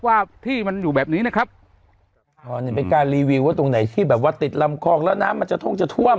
ว่าพี่มันอยู่แบบนี้นะครับอ๋อเนี่ยเป็นการรีวิวว่าตรงไหนที่แบบว่าติดลำคลองแล้วน้ำมันจะท่งจะท่วม